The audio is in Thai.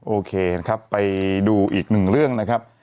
โอเคนะครับไปดูอีกหนึ่งเรื่องนะครับ